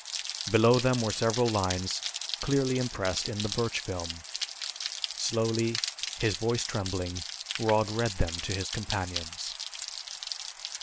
Below them were several lines, clearly impressed in the birch film. Slowly, his voice trembling, Rod read them to his companions.